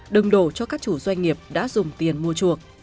đừng đổ cho các chủ doanh nghiệp đã dùng tiền mua chuộc